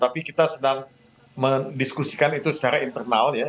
tapi kita sedang mendiskusikan itu secara internal ya